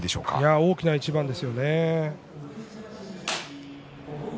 大きな一番でしたね。